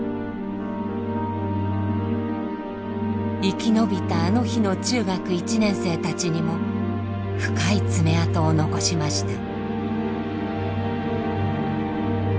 生き延びたあの日の中学１年生たちにも深い爪痕を残しました。